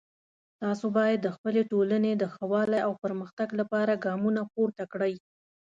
تاسو باید د خپلې ټولنې د ښه والی او پرمختګ لپاره ګامونه پورته کړئ